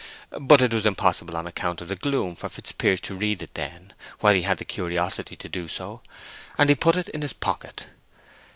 But it was impossible on account of the gloom for Fitzpiers to read it then, while he had the curiosity to do so, and he put it in his pocket.